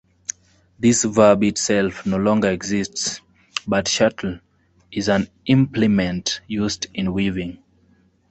This verb itself no longer exists but 'shuttle' is an implement used in weaving.